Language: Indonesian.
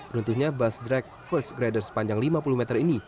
runtuhnya busdrak first grader sepanjang lima puluh meter ini